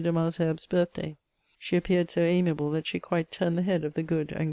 de Malesherbes' birthday : she appeared so amiable that she quite turned the head of the good and great man.